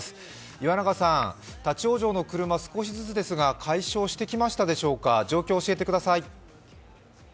岩永さん、立往生の車、少しずつですが解消してきましたでしょうか状況教えてください。